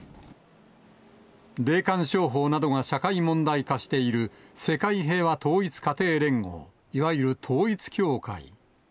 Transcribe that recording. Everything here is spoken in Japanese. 霊感商法などが社会問題化している世界平和統一家庭連合、いわゆる統一教会。